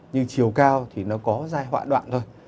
nhưng chiều cao thì nó có dài hoãn đoạn thôi